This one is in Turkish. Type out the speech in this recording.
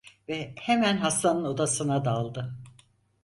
Ve hemen hastanın odasına daldı.